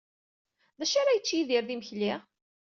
D acu ara yečč Yidir d imekli?